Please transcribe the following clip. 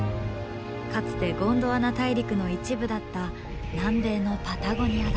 かつてゴンドワナ大陸の一部だった南米のパタゴニアだ。